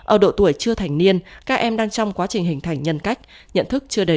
ở độ tuổi chưa thành niên các em đang trong quá trình hình thành nhân cách nhận thức chưa đầy